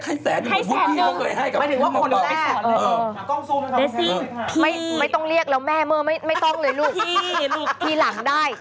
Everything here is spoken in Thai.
ถ้าหลานเรียกพี่ได้ให้หลานเท่าไร